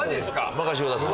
任してください。